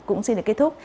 cũng xin để kết thúc